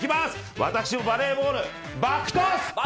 私もバレーボールバックトス！